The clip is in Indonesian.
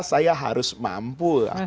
saya harus mampu